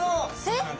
えっ！？